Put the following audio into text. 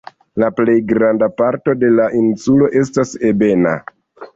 La plej granda parto de la insulo estas preskaŭ ebena.